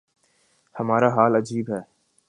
ہمارا حال عجیب ہے۔